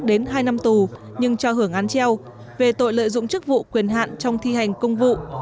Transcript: đến hai năm tù nhưng cho hưởng án treo về tội lợi dụng chức vụ quyền hạn trong thi hành công vụ